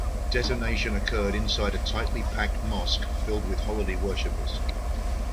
Detonation occurred inside a tightly packed mosque, filled with holiday worshippers.